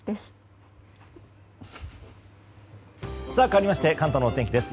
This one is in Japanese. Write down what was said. かわりまして関東のお天気です。